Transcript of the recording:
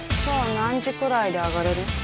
今日は何時くらいで上がれる？